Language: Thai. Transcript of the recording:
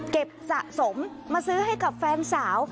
สะสมมาซื้อให้กับแฟนสาว